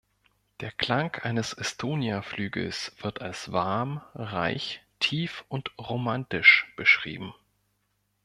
Der Klang eines Estonia-Flügels wird als „warm, reich, tief und romantisch“ beschrieben.